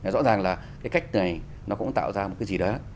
rõ ràng là cái cách này nó cũng tạo ra một cái gì đó